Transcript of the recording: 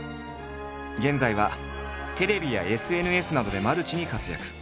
現在はテレビやＳＮＳなどでマルチに活躍。